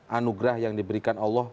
dan anugerah yang diberikan allah